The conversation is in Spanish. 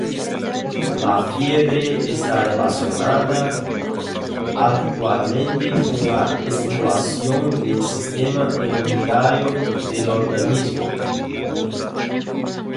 La fiebre está relacionada habitualmente con la estimulación del sistema inmunitario del organismo.